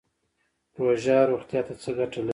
روژه روغتیا ته څه ګټه لري؟